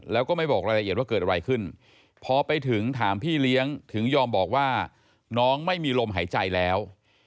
แล้วก็ไม่บอกรายละเอียดว่าเกิดอะไรขึ้นพอไปถึงถามพี่เลี้ยงถึงยอมบอกว่าน้องไม่มีลมหายใจแล้ว